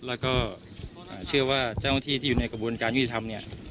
แล้วก็เชื่อว่าเจ้าหน้าที่ที่อยู่ในกระบวนการยุติธรรมเนี่ย